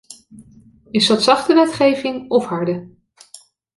Is dat zachte wetgeving of harde?